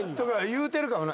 言うてるかもな。